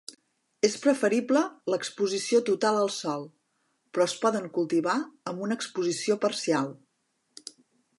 És preferible l"exposició total al sol, però es poden cultivar amb una exposició parcial.